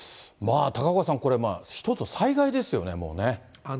高岡さん、これ、一つの災害ですよね、もうね。